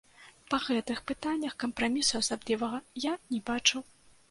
Па гэтых пытаннях кампрамісу асаблівага я не бачу.